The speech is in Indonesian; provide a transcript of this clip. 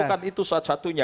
bukan itu satu satunya